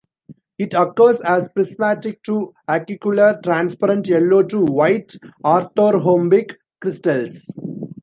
It occurs as prismatic to acicular transparent yellow to white orthorhombic crystals.